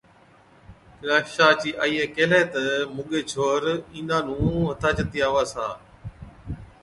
ڪيلاشا چِي آئِي ڪيهلَي تہ، ’موڳَي ڇوهر، اِينڏان نُون هٿا چتِي آوَس ها‘۔